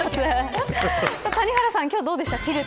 谷原さん、今日どうでした、ティルト。